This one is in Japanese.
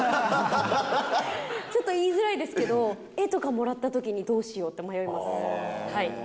ちょっと言いづらいですけど、絵とかもらったときに、どうしようって迷います。